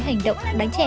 xin lỗi cái gì